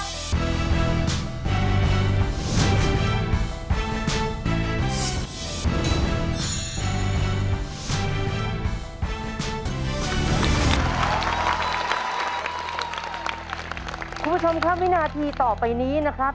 คุณผู้ชมครับวินาทีต่อไปนี้นะครับ